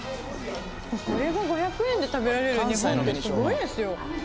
これが５００円で食べられる日本ってすごいですよ